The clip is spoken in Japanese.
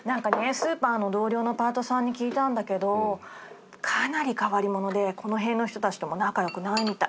スーパーの同僚のパートさんに聞いたんだけどかなり変わり者でこの辺の人たちとも仲良くないみたい。